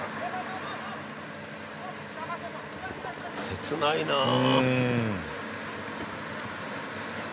切ないなあ。